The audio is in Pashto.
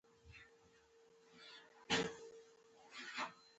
په خپله خوښه دې د ټولګي په وړاندې کیسه وویل شي.